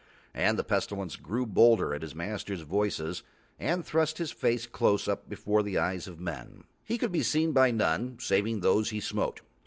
And the Pestilence grew bolder at his masters' voices and thrust his face close up before the eyes of men. He could be seen by none saving those he smote.